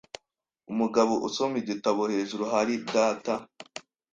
Umugabo usoma igitabo hejuru hari data.